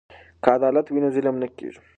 که عدالت وي نو ظلم نه کیږي.